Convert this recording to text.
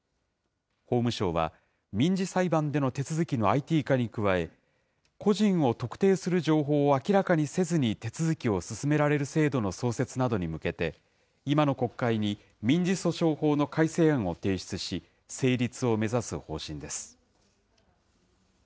法務省は、民事裁判での手続きのＩＴ化に加え、個人を特定する情報を明らかにせずに手続きを進められる制度の創設などに向けて、今の国会に民事訴訟法の改正案を提出し、成立を目指す方針です。